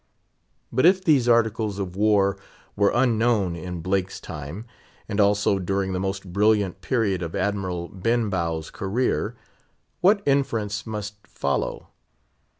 But if these Articles of War were unknown in Blake's time, and also during the most brilliant period of Admiral Benbow's career, what inference must follow?